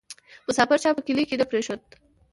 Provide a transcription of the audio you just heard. ـ مسافر چا په کلي کې نه پرېښود